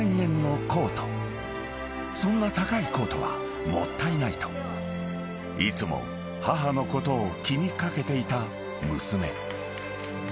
［そんな高いコートはもったいないといつも母のことを気に掛けていた娘］